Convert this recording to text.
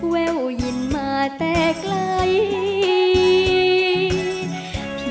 แว่วยินมาแต่ไกล